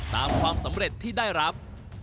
ความสำเร็จที่ได้รับ